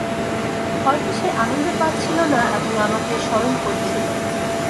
হয়তো সে আনন্দ পাচ্ছিল না এবং আমাকে স্মরণ করছিল।